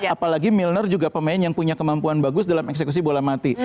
apalagi milner juga pemain yang punya kemampuan bagus dalam eksekusi bola mati